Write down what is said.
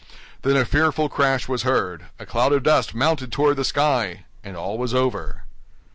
Then a fearful crash was heard; a cloud of dust mounted toward the sky—and all was over!